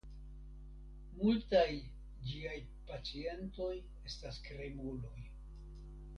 Multaj ĝiaj pacientoj estas krimuloj.